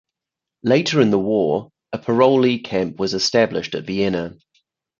Later in the war, a parolee camp was established at Vienna.